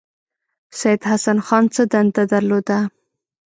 سید حسن خان څه دنده درلوده.